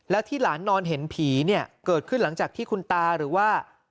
แล้วที่หลานนอนเห็นผีเนี่ยเกิดขึ้นหลังจากที่คุณตาหรือว่า